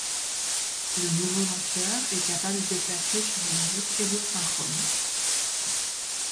Le nouveau lanceur est capable de placer sur une orbite héliosynchrone.